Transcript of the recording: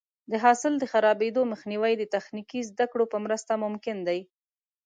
د حاصل د خرابېدو مخنیوی د تخنیکي زده کړو په مرسته ممکن دی.